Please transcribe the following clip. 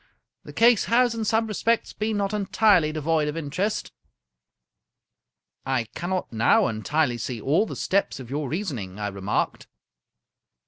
The case has, in some respects, been not entirely devoid of interest." " I cannot now entirely see all the steps of your reason ing," I remarked.